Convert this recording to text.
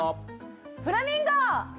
フラミンゴ！